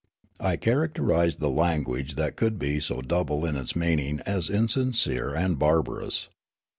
I characterised the language that could be so double in its meaning as insincere and barbarous.